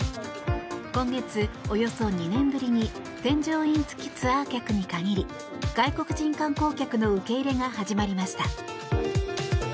今月、およそ２年ぶりに添乗員付きツアー客に限り外国人観光客の受け入れが始まりました。